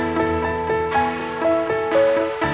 mas udah pagi